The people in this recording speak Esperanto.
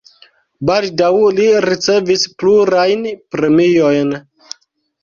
Baldaŭ li ricevis plurajn premiojn.